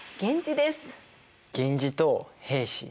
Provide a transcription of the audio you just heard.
源氏と平氏。